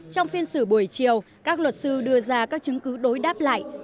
trong phiên xử buổi chiều các luật sư đưa ra các chứng cứ đối đáp lại